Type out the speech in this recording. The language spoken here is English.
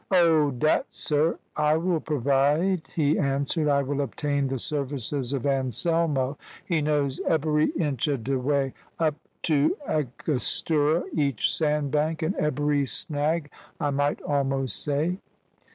"Oh! dat sir, I will provide," he answered. "I will obtain the services of Anselmo; he knows ebery inch of de way up to Angostura, each sandbank and ebery snag, I might almost say."